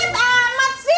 udah tak shades